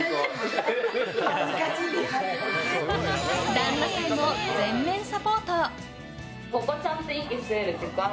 旦那さんも全面サポート。